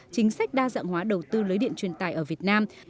chính sách đa dạng hóa đầu tư lưới điện truyền tài ở việt nam